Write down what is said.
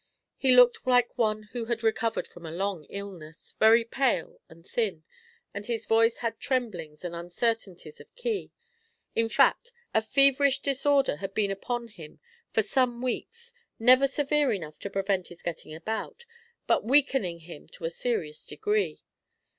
He looked like one who had recovered from a long illness, very pale and thin, and his voice had tremblings and uncertainties of key. In fact, a feverish disorder had been upon him for some weeks, never severe enough to prevent his getting about, but weakening him to a serious degree.